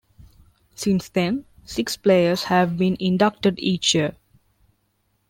Since then six players have been inducted each year.